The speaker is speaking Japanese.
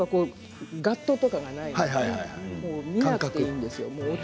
ガットとかがないので見なくていいんですよ。